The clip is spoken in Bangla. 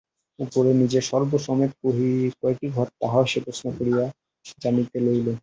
উপরে নীচে সর্ব-সমেত কয়টি ঘর তাহাও সে প্রশ্ন করিয়া জানিয়া লইল।